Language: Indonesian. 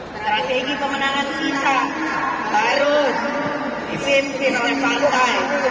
strategi kemenangan kita harus dipimpin oleh pahlawan